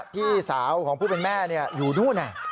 พี่สาวของผู้เป็นแม่เนี้ยอยู่นู่นน่ะอ่า